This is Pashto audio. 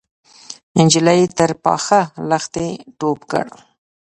نجلۍ تر پاخه لښتي ټوپ کړ.